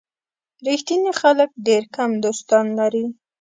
ریښتیني خلک ډېر کم دوستان لري.